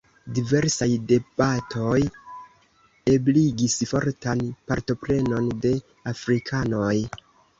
Diversaj debatoj ebligis fortan partoprenon de afrikanoj.